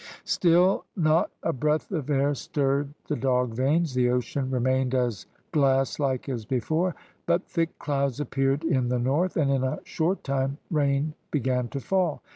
Still, not a breath of air stirred the dog vanes the ocean remained as glass like as before, but thick clouds appeared in the north, and in a short time rain began to fall.